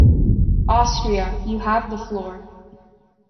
Austria, you have the floor.